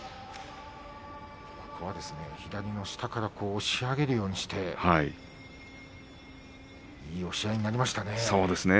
ここは左の下から押し上げるようにしていい押し合いになりましたね。